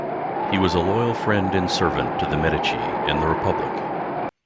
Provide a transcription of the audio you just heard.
He was a loyal friend and servant to the Medici and the republic.